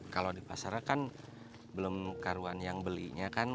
kalau di pasaran kan belum karuan yang belinya kan